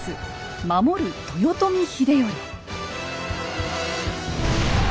守る豊臣秀頼。